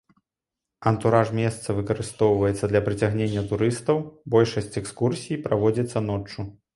Антураж месца выкарыстоўваецца для прыцягнення турыстаў, большасць экскурсій праводзіцца ноччу.